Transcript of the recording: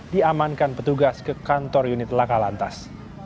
diamankan petugas ke kantor unit lakalantas